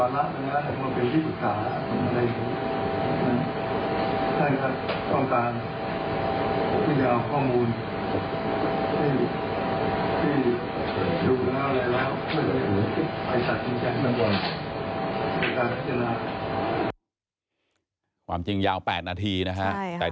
มันจะคุณกับใครอาจารย์จะตั้ง